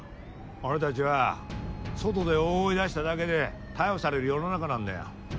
俺たちは外で大声出しただけで逮捕される世の中なんだよ。